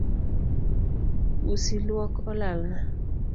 Usi luok olalna